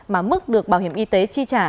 mà mức được bảo hiểm y tế chi trả